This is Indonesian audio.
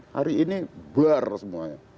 hari ini blur semuanya